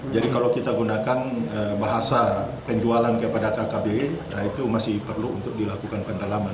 jadi kalau kita gunakan bahasa penjualan kepada kkb itu masih perlu untuk dilakukan pendalaman